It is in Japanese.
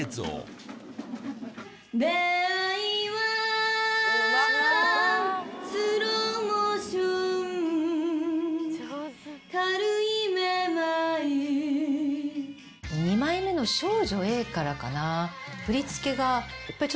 出逢いはスローモーション軽いめまい２枚目の『少女 Ａ』からかな。